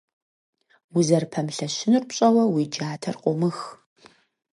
Узэрыпэмылъэщынур пщӀэуэ, уи джатэр къумых.